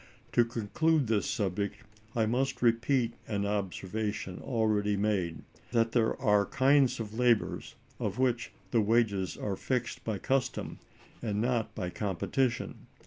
To conclude this subject, I must repeat an observation already made, that there are kinds of labor of which the wages are fixed by custom, and not by competition.